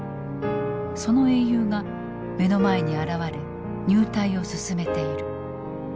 その英雄が目の前に現れ入隊を勧めている。